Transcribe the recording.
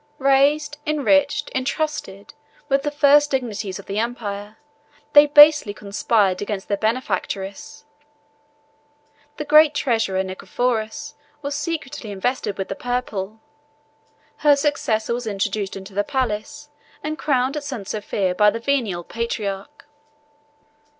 Raised, enriched, intrusted with the first dignities of the empire, they basely conspired against their benefactress; the great treasurer Nicephorus was secretly invested with the purple; her successor was introduced into the palace, and crowned at St. Sophia by the venal patriarch.